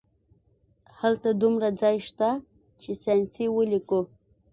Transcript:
هلته دومره ځای شته چې ساینسي ولیکو